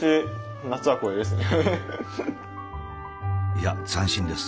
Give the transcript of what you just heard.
いや斬新です。